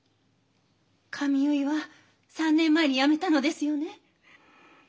髪結いは３年前にやめたのですよね。